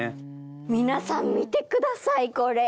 皆さん見てくださいこれ！